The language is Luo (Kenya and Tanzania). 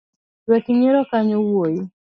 Wek nyiero kanyo wuoi.